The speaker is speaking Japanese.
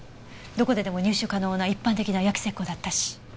どこででも入手可能な一般的な焼石膏だったし。